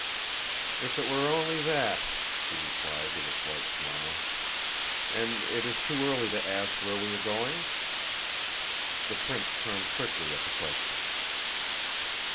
"If it were only that!" she replied, with a slight smile. "And is it too early to ask where we are going?" The prince turned quickly at the question.